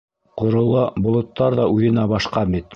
Ҡорола болоттар ҙа үҙенә башҡа бит.